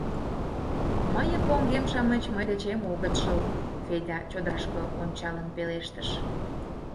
— Мыйын поҥгем-шамыч мый дечем огыт шыл, — Федя чодырашке ончалын пелештыш.